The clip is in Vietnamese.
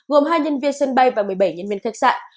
gồm hai nhân viên sân bay và một mươi bảy nhân viên khách sạn